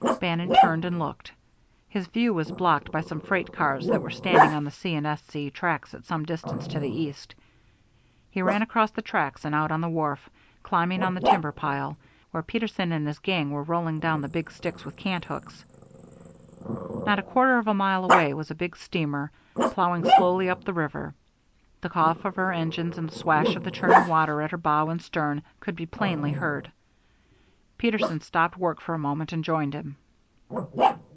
Bannon turned and looked. His view was blocked by some freight cars that were standing on the C. & S. C tracks at some distance to the east. He ran across the tracks and out on the wharf, climbing on the timber pile, where Peterson and his gang were rolling down the big sticks with cant hooks. Not a quarter of a mile away was a big steamer, ploughing slowly up the river; the cough of her engines and the swash of the churning water at her bow and stern could be plainly heard. Peterson stopped work for a moment, and joined him.